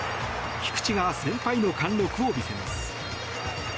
菊池が先輩の貫録を見せます。